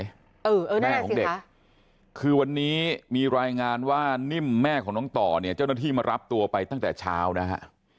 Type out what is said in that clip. แม่ของเด็กคือวันนี้มีรายงานว่านิ่มแม่ของน้องต่อเนี่ยเจ้าหน้าที่มารับตัวไปตั้งแต่เช้านะฮะ